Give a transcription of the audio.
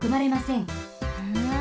ふん。